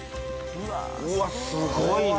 うわっすごいね。